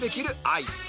アイス